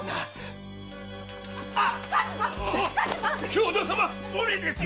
兵藤様無理ですよ！